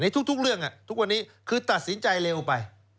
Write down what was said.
ทุกเรื่องทุกวันนี้คือตัดสินใจเร็วไป